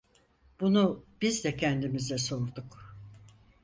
Bunu biz de kendimize sorduk.